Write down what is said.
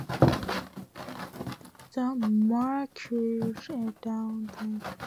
The marquessate, earldom and viscountcy became extinct.